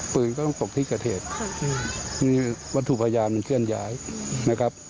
ปืนก็ต้องตกที่เกิดเหตุคือวัตถุพยานมันเคลื่อนย้ายนะครับ